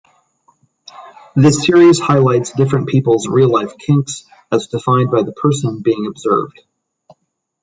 This series highlights different people's real-life kinks, as defined by the person being observed.